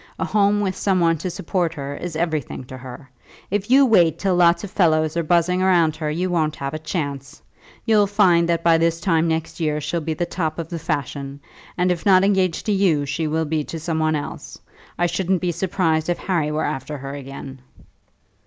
A home, with some one to support her, is everything to her. If you wait till lots of fellows are buzzing round her you won't have a chance. You'll find that by this time next year she'll be the top of the fashion; and if not engaged to you, she will be to some one else. I shouldn't be surprised if Harry were after her again."